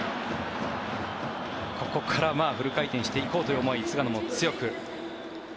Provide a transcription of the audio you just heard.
ここからフル回転していこうという思い菅野も強く。